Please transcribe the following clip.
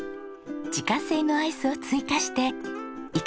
自家製のアイスを追加していかがですか？